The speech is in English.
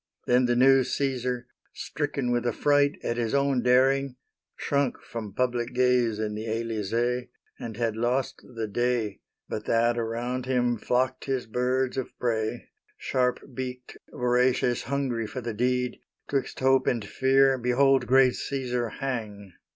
Then the new Caesar, stricken with affright At his own daring, shrunk from public gaze In the Elysee, and had lost the day But that around him flocked his birds of prey, Sharp beaked, voracious, hungry for the deed. 'Twixt hope and fear behold great Caesar hang!